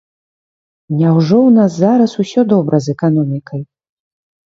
Няўжо ў нас зараз усё добра з эканомікай?